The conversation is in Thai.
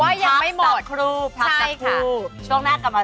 ว่ายังไม่หมดพักสักครู่ใช่ค่ะ